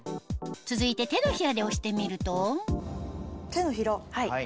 続いて手のひらで押してみると手のひら。